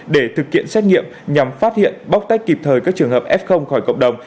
để thực hiện xét nghiệm nhằm phát hiện bóc tách kịp thời các trường hợp f khỏi cộng đồng